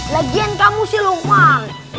lagian kamu sih lu mali